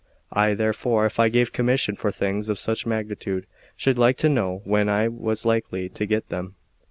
I therefore, if I gave commission for things of such magnitude, should like to know when I was likely to get them."